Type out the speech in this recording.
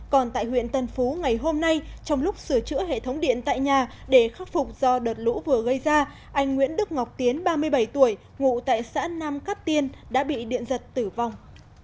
còn tại huyện tân phú ngày hôm nay trong lúc sửa chữa hệ thống điện tại nhà để khắc phục do đợt lũ vừa gây ra anh nguyễn đức ngọc tiến ba mươi bảy tuổi ngụ tại xã nam cát tiên đã bị điện giật tử vong